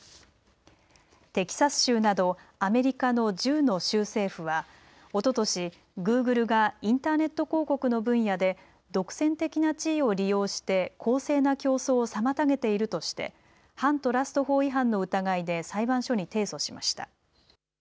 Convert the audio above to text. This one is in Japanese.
テキサス州などアメリカの１０の州政府はおととし、グーグルがインターネット広告の分野で独占的な地位を利用して公正な競争を妨げているとして反トラスト法違反の疑いで裁判所に提訴しました。